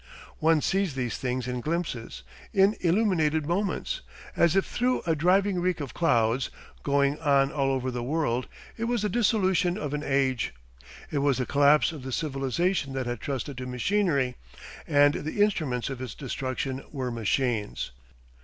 One sees these things in glimpses, in illuminated moments, as if through a driving reek of clouds, going on all over the world. It was the dissolution of an age; it was the collapse of the civilisation that had trusted to machinery, and the instruments of its destruction were machines.